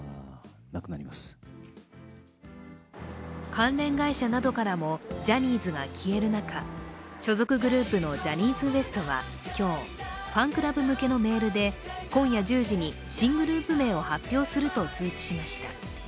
関連会社などからもジャニーズが消える中、所属グループのジャニーズＷＥＳＴは今日、ファンクラブ向けのメールで今夜１０時に新グループ名を発表すると通知しました。